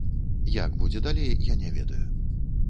Як будзе далей, я не ведаю.